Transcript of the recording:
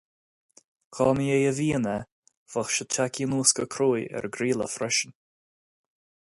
Dá mba é a mhian é, bheadh sé tagtha anuas go crua ar an gcraoladh freisin.